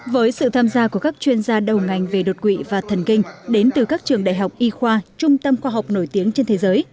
với sự tham gia của các chuyên gia đầu ngành về đột quỵ và thần kinh đến từ các trường đại học y khoa trung tâm khoa học nổi tiếng trên thế giới